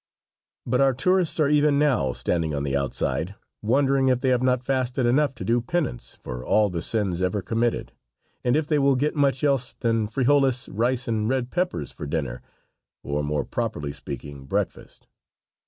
But our tourists are even now standing on the outside, wondering if they have not fasted enough to do penance for all the sins ever committed; and if they will get much else than frijoles, rice, and red peppers for dinner or, more properly speaking, breakfast.